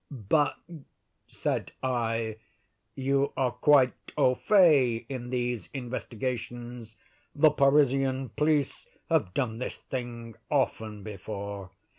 "But," said I, "you are quite au fait in these investigations. The Parisian police have done this thing often before."